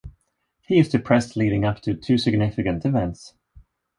He is depressed leading up to two significant events.